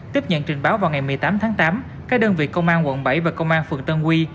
tiếp nhận trình báo vào ngày một mươi tám tháng tám các đơn vị công an quận bảy và công an phường tân quy